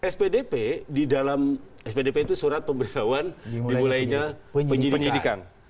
spdp di dalam spdp itu surat pemberitahuan dimulainya penyidikan